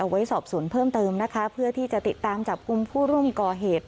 ไว้สอบสวนเพิ่มเติมนะคะเพื่อที่จะติดตามจับกลุ่มผู้ร่วมก่อเหตุ